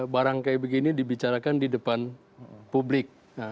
barang kayak begini dibicarakan di depan publik